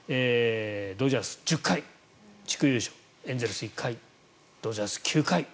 ドジャース、１０回地区優勝エンゼルス、１回ドジャース、９回。